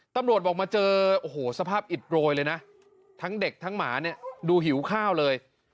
ตำรวจบอกมาเจอโอ้โหสภาพอิดโรยเลยนะทั้งเด็กทั้งหมาเนี่ยดูหิวข้าวเลย